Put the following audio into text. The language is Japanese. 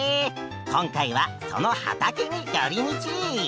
今回はその畑により道！